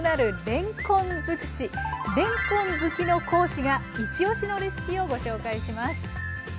れんこん好きの講師がイチおしのレシピをご紹介します。